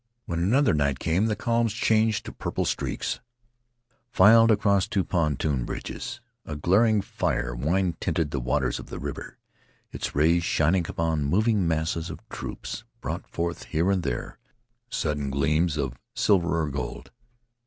WHEN another night came the columns, changed to purple streaks, filed across two pontoon bridges. A glaring fire wine tinted the waters of the river. Its rays, shining upon the moving masses of troops, brought forth here and there sudden gleams of silver or gold.